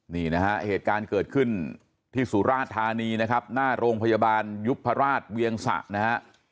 นี่นะฮะเหตุการณ์เกิดขึ้นที่สุราชธานีนะครับหน้าโรงพยาบาลยุพราชเวียงสะนะฮะ